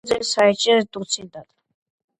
იმავე წელს აირჩიეს დოცენტად.